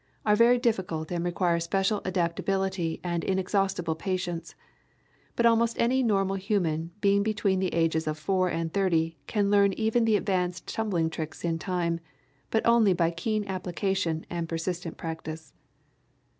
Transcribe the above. are very difficult and require special adaptability and inexhaustible patience, but almost any normal human being between the ages of four and thirty can learn even the advanced tumbling tricks in time, but only by keen application and persistent practice.